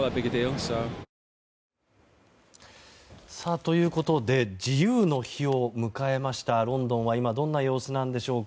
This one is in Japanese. ということで自由の日を迎えましたロンドンは今どんな様子なんでしょうか。